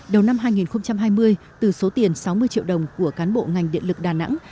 đầu năm hai nghìn hai mươi từ số tiền sáu mươi triệu đồng của cán bộ ngành điện lực đà nẵng